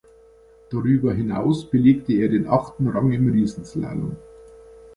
Darüber hinaus belegte er den achten Rang im Riesenslalom.